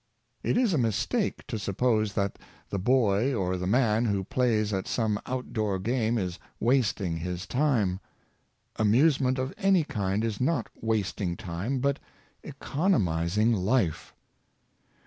It is a mistake to suppose that the boy or the man who plays at some outdoor game is wasting his time. Amusement of any kind is not wasting time, but economizing life.